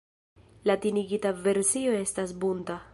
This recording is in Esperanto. Latinigita versio estas "Bunta".